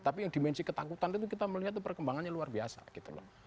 tapi yang dimensi ketakutan itu kita melihat perkembangannya luar biasa gitu loh